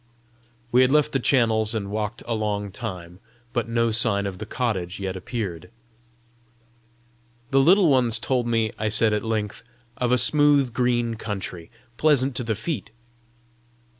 We had left the channels and walked a long time, but no sign of the cottage yet appeared. "The Little Ones told me," I said at length, "of a smooth green country, pleasant to the feet!"